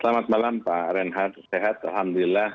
selamat malam pak renhat sehat alhamdulillah